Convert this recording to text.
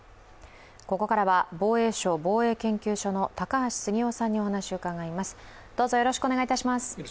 ここからは防衛省防衛研究所の高橋杉雄さんにお話を伺います。